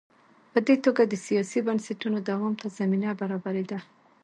په دې توګه د سیاسي بنسټونو دوام ته زمینه برابرېده.